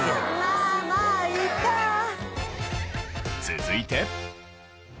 続いて。